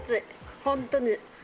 本当に。